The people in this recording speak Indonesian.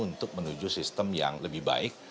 untuk menuju sistem yang lebih baik